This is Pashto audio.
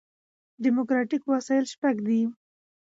ډیموکراټیک وسایل شپږ دي.